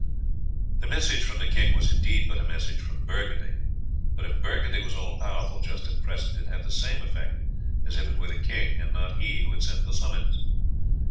The message from the king was indeed but a message from Burgundy, but if Burgundy was all powerful just at present it had the same effect as if it were the king and not he who had sent the summons.